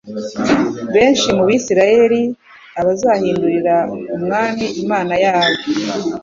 Benshi mu Bisiraeli azabahindurira ku Mwami Imana yabo;